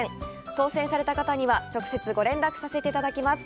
当せんされた方には直接ご連絡させていただきます。